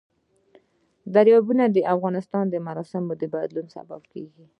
دریابونه د افغانستان د موسم د بدلون سبب کېږي.